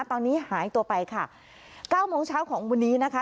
ตอนนี้หายตัวไปค่ะเก้าโมงเช้าของวันนี้นะคะ